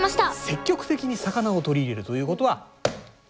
積極的に魚を取り入れるということはすしだな。